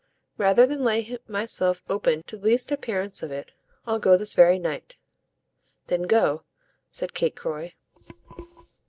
"Rather than lay myself open to the least appearance of it I'll go this very night." "Then go," said Kate Croy.